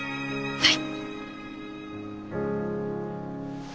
はい。